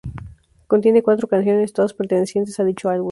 Contiene cuatro canciones, todas pertenecientes a dicho álbum.